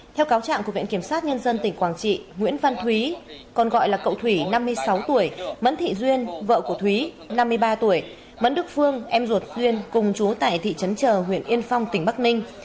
theo cáo trạng của viện kiểm sát nhân dân tỉnh quảng trị nguyễn văn thúy còn gọi là cậu thủy năm mươi sáu tuổi mẫn thị duyên vợ của thúy năm mươi ba tuổi mẫn đức phương em ruột tuyên cùng chú tại thị trấn chờ huyện yên phong tỉnh bắc ninh